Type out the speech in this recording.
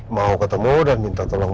mau ketemu dan minta tolong